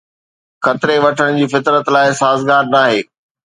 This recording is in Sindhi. خطري وٺڻ جي فطرت لاءِ سازگار ناهي